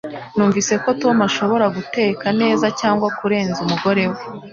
Numvise ko Tom ashobora guteka neza cyangwa kurenza umugore we